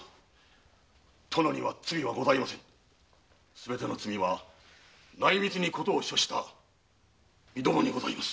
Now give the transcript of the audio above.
すべての罪は内密に事を処した身どもにございます。